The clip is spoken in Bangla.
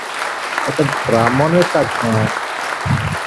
এ তো ব্রাহ্মণের কাজ নয়।